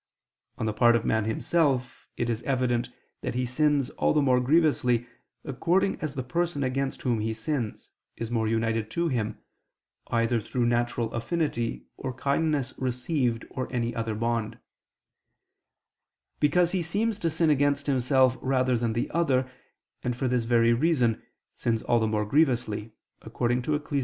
On the part of man himself, it is evident that he sins all the more grievously, according as the person against whom he sins, is more united to him, either through natural affinity or kindness received or any other bond; because he seems to sin against himself rather than the other, and, for this very reason, sins all the more grievously, according to Ecclus.